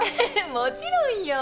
もちろんよ。